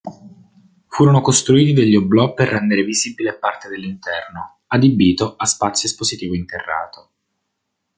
Furono costruiti degli oblò per rendere visibile parte dell'interno, adibito a spazio espositivo interrato.